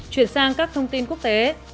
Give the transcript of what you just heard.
chuyển sang các thông tin quốc tế